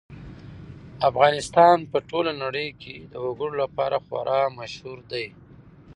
افغانستان په ټوله نړۍ کې د وګړي لپاره خورا مشهور دی.